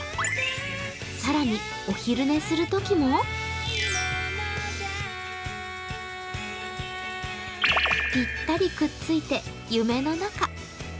更に、お昼寝するときもぴったりくっついて夢の中。